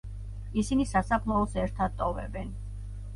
ისინი სასაფლაოს ერთად ტოვებენ.